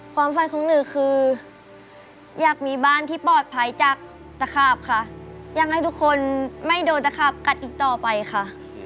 ความฝันของหนูคืออยากมีบ้านที่ปลอดภัยจากตะขาบค่ะอยากให้ทุกคนไม่โดนตะขาบกัดอีกต่อไปค่ะ